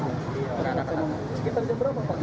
sekitar jam berapa pak